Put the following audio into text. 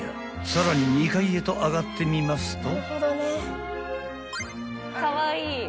［さらに２階へと上がってみますと］